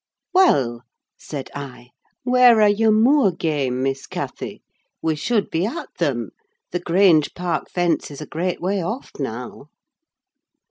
"Well," said I, "where are your moor game, Miss Cathy? We should be at them: the Grange park fence is a great way off now."